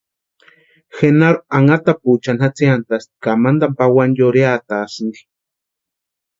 Genaru anhatapuechani jatsiantasti ka mantani pawani yurheatasïnti.